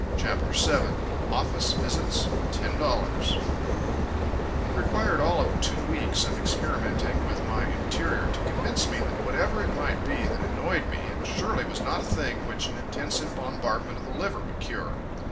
CHAPTER VII Office Visits, $10 It required all of two weeks of experimenting with my interior to convince me that whatever it might be that annoyed me, it surely was not a thing which an intensive bombardment of the liver would cure.